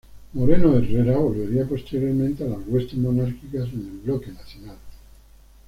Moreno Herrera volvería posteriormente a las huestes monárquicas en el Bloque Nacional.